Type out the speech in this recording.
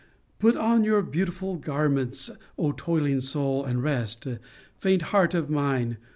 " Put on your beautiful garments, O toiling soul, and rest !" Faint heart of mine